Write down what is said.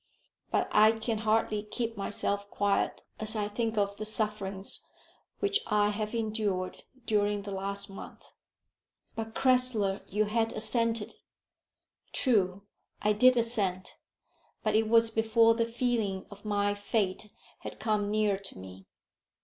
But I can hardly keep myself quiet as I think of the sufferings which I have endured during the last month." "But, Crasweller, you had assented." "True; I did assent. But it was before the feeling of my fate had come near to me.